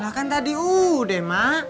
lah kan tadi udah mak